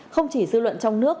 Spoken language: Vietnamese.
không chỉ dư luận trong nước